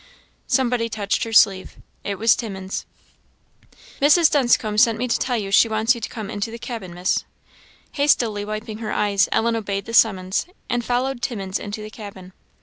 Somebody touched her sleeve it was Timmins. "Mrs. Dunscombe sent me to tell you she wants you to come into the cabin, Miss." Hastily wiping her eyes, Ellen obeyed the summons, and followed Timmins into the cabin.